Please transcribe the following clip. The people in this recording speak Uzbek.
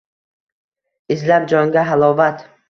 Izlab jonga halovat.